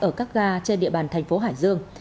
ở các ga trên địa bàn thành phố hải dương